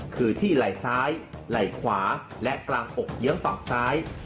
คือที่ไหล่ซ้ายไหล่ขวาและกลางอกเยื้องตอกซ้าย